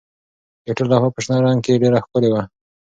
د هوټل لوحه په شنه رنګ کې ډېره ښکلې وه.